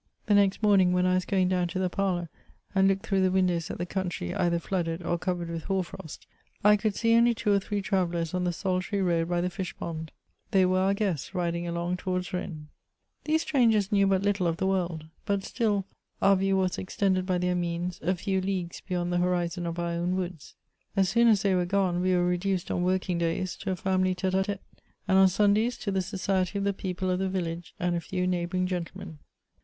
The next morning when I was going down to the parlour and looked through the windows at the country either flooded or covered with hoar frost, I could see onlv two or three travellers on the solitary road by the fishpond ; they were our guests riding along towards Rennes. These strangers knew but little of the world, but still our view was extended by their means a few leagues beyond the horizon of our own woods. As soon as they were gone, we were reduced, on working days, to a family t^te^a tAe, and on Sundays, to the society of the people of the village and a few neighbouring gentlemen.